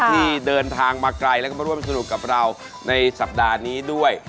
ที่เดินทางมาไกลแล้วก็มาร่วมสนุกกับเราในสัปดาห์นี้ด้วย